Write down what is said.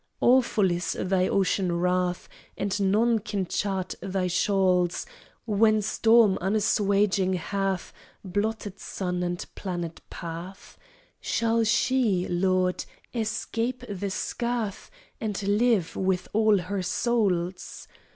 Awful is thy ocean wrath, And none can chart thy shoals When storm unassuaging hath Blotted sun and planet path. Shall she, Lord, escape the scath And live, with all her souls?